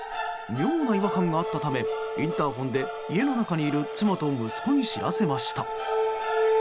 妙な違和感があったためインターホンで家の中にいる妻と息子に知らせました。